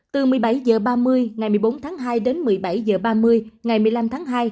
từ một mươi bảy h ba mươi ngày một mươi bốn tháng hai đến một mươi bảy h ba mươi ngày một mươi năm tháng hai